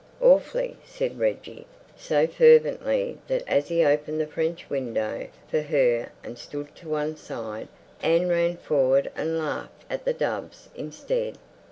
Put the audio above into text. "Awfully," said Reggie, so fervently that as he opened the French window for her and stood to one side, Anne ran forward and laughed at the doves instead.